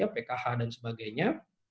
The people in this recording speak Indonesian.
pkh dan sebagainya